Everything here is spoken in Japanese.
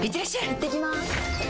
いってきます！